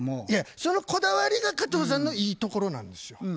いやそのこだわりが加藤さんのいいところなんですよ。